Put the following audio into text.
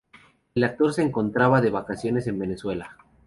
El actor se encontraba de vacaciones en Venezuela.